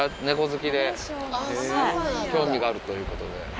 猫好きで興味があるということで。